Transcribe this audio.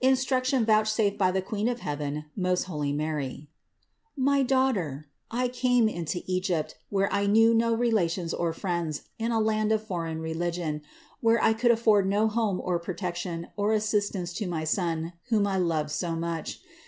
INSTRUCTION VOUCHSAFED BY THE QUEEN OF HEAVEN, MOST HOLY MARY. 662. My daughter, I came into Egypt, where I knew no relations or friends, in a land of foreign religion, where I could offer no home or protection or assistance to my Son, whom I loved so much.